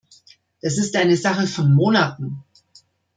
Es ist eine Sache von Monaten.